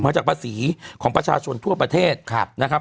จากภาษีของประชาชนทั่วประเทศนะครับ